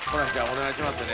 お願いしますね。